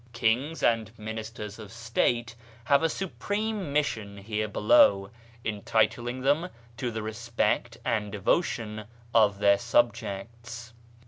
Kings and ministers of State have a supreme mission here below, entitling them to the respect and devotion of their subjects.